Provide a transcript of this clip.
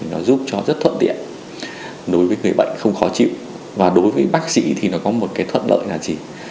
nó giúp cho rất thuận tiện đối với người bệnh không khó chịu và đối với bác sĩ thì nó có một cái thuận lợi là gì